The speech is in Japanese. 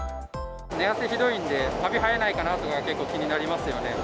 寝汗ひどいんで、カビ生えないかなとか結構、気になりますよね。